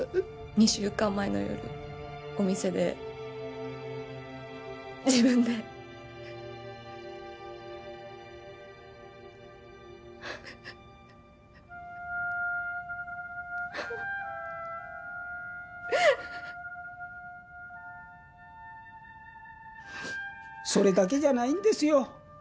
２週間前の夜お店で自分でそれだけじゃないんですよ